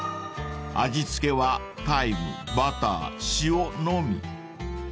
［味付けはタイムバター塩のみ］